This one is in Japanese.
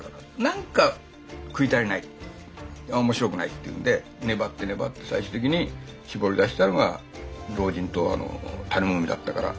「なんか食い足りない面白くない」って言うんで粘って粘って最終的に絞り出したのが老人と種モミだったから。